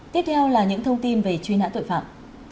tiếp theo là những thông tin về truy nã tội phạm